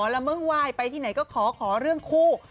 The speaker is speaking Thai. แล้วมึงไหว้ไปที่ไหนก็ขอขอเรื่องคู่